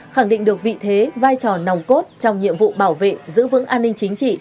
khẳng định được vị thế vai trò nòng cốt trong nhiệm vụ bảo vệ giữ vững an ninh chính trị